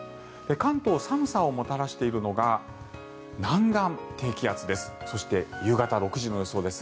関東、寒さをもたらしているのが南岸低気圧です。